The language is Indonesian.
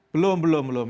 belum belum belum